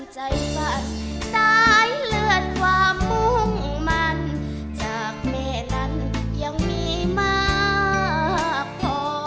ฝันสายเลื่อนความมุ่งมันจากแม่นั้นยังมีมากพอ